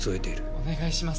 お願いします。